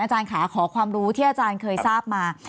อาจารย์ค่ะขอความรู้ที่อาจารย์เคยทราบมา